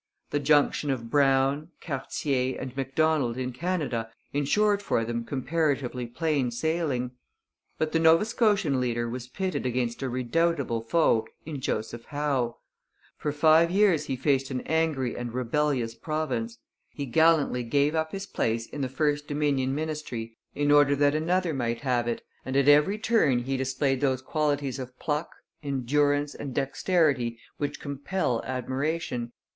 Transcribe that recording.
The junction of Brown, Cartier, and Macdonald in Canada ensured for them comparatively plain sailing. But the Nova Scotian leader was pitted against a redoubtable foe in Joseph Howe; for five years he faced an angry and rebellious province; he gallantly gave up his place in the first Dominion ministry in order that another might have it; and at every turn he displayed those qualities of pluck, endurance, and dexterity which compel admiration.